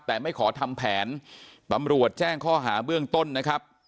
แต่ไม่ขอทำแผนตำรวจแจ้งข้อหาเบื้องต้นนะครับ